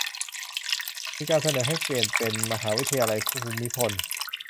มีการเสนอให้เปลี่ยนเป็น "มหาวิทยาลัยภูมิพล"